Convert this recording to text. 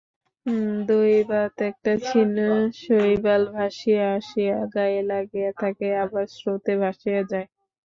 দৈবাৎ একটা ছিন্ন শৈবাল ভাসিয়া আসিয়া গায়ে লাগিয়া থাকে, আবার স্রোতে ভাসিয়া যায়।